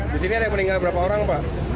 di kios ada berapa orang yang meninggal pak